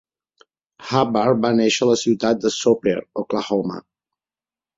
Hubbard va néixer a la ciutat de Soper, Oklahoma.